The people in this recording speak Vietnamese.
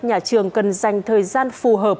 nhà trường cần dành thời gian phù hợp